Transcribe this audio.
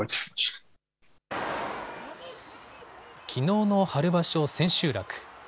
きのうの春場所千秋楽。